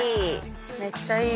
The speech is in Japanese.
めっちゃいい。